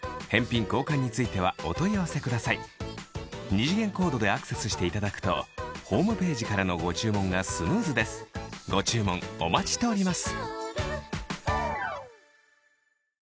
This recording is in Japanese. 二次元コードでアクセスしていただくとホームページからのご注文がスムーズですご注文お待ちしております